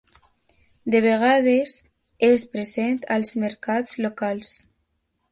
De vegades, és present als mercats locals.